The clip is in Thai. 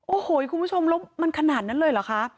โอ้โหคุณผู้ชมแล้วมันขนาดนั้นเลยเหรอคะ